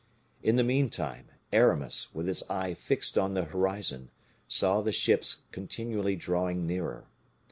In the meantime, Aramis, with his eye fixed on the horizon, saw the ships continually drawing nearer.